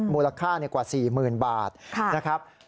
มูลค่ากว่า๔๐๐๐บาทนะครับ